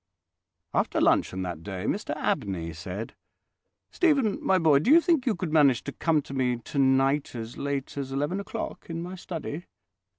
After luncheon that day Mr Abney said: "Stephen, my boy, do you think you could manage to come to me tonight as late as eleven o'clock in my study?